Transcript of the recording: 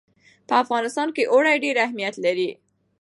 په افغانستان کې اوړي ډېر اهمیت لري.